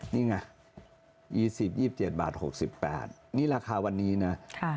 นี่ไงอียี่สิบยี่สิบเจ็ดบาทหกสิบแปดนี่ราคาวันนี้นะค่ะ